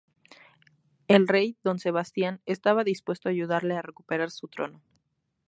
El Rey Don Sebastián estaba dispuesto a ayudarle a recuperar su trono.